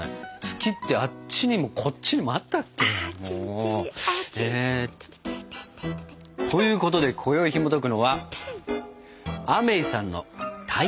月ってあっちにもこっちにもあったっけ？ということでこよいひもとくのは「アメイさんの台湾カステラ」。